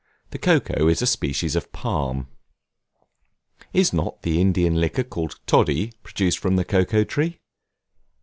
The cocoa is a species of Palm. Is not the Indian liquor called Toddy, produced from the Cocoa Tree?